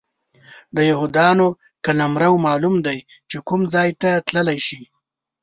د یهودانو قلمرو معلوم دی چې کوم ځای ته تللی شي.